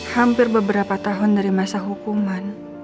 hampir beberapa tahun dari masa hukuman